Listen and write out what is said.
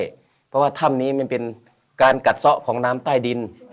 เพราะว่าถ้ำนี้มันเป็นการกัดซ่อของน้ำใต้ดิน